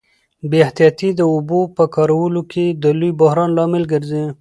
بې احتیاطي د اوبو په کارولو کي د لوی بحران لامل ګرځي.